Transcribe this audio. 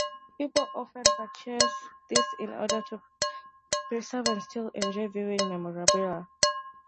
People often purchase these in order to preserve and still enjoy viewing memorabilia.